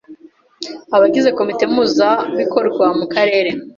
Abagize komite mpuzabikorwa mu Karere